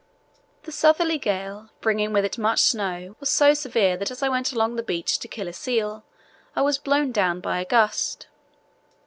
The southerly gale, bringing with it much snow, was so severe that as I went along the beach to kill a seal I was blown down by a gust.